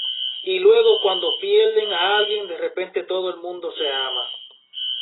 Y luego, cuando pierden a alguien, de repente todo el mundo se ama.